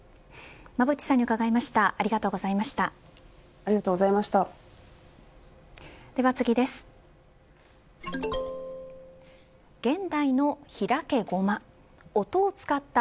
馬渕さんに伺いました。